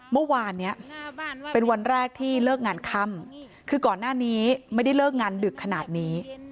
เมื่อวานนี้เป็นวันแรกที่เลิกงานค่ำคือก่อนหน้านี้ไม่ได้เลิกงานดึกขนาดนี้